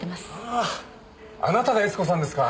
あなたが悦子さんですか。